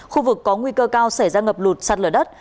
khu vực có nguy cơ cao xảy ra ngập lụt sạt lở đất